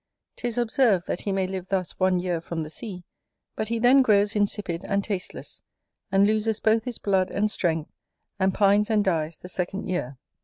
'Tis observed, that he may live thus one year from the sea; but he then grows insipid and tasteless, and loses both his blood and strength, and pines and dies the second year.